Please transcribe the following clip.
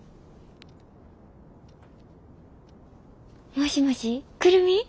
もしもし久留美？